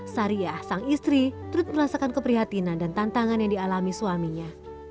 sariah sang istri terus merasakan keprihatinan dan tantangan yang dialami suaminya